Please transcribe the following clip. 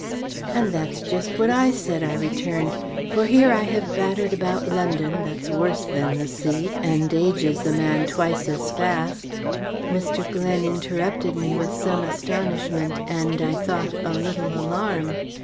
"And that's just what I said," I returned; "for here have I battered about London, that's worse than the sea, and ages a man twice as fast " Mr. Glen interrupted me with some astonishment, and, I thought, a little alarm.